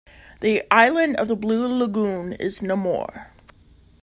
The island of the Blue Lagoon is no more.